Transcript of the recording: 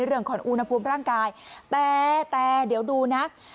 เรื่องของอุณหภูมิร่างกายแต่แต่เดี๋ยวดูนะ